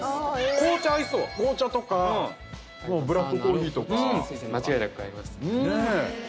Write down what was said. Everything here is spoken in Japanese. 紅茶とかブラックコーヒーとか間違いなく合います